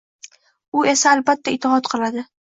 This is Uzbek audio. U esa albatta itoat qiladi